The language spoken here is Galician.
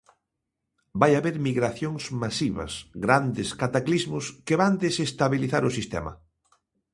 Vai haber migracións masivas, grandes cataclismos, que van desestabilizar o sistema.